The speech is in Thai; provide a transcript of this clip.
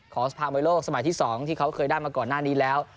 ของพระบริโรคสมัยที่๒ที่เขาเคยได้มาก่อนหน้านี้แล้ว